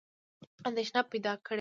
اندېښنه پیدا کړې ده.